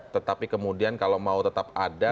tetapi kemudian kalau mau tetap ada